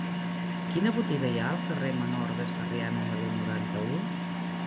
Quina botiga hi ha al carrer Menor de Sarrià número noranta-u?